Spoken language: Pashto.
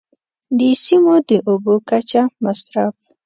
د سیمو د اوبو کچه، مصرف.